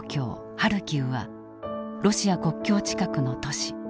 ハルキウはロシア国境近くの都市。